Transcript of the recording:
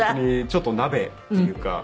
ちょっと鍋っていうか。